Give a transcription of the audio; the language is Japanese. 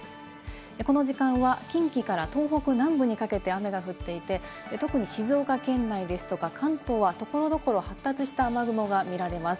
この時間は近畿から東北南部にかけて雨が降っていて特に静岡県内ですとか関東は所々、発達した雨雲が見られます。